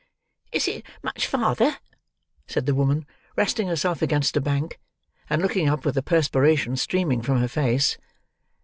"Is it much farther?" asked the woman, resting herself against a bank, and looking up with the perspiration streaming from her face.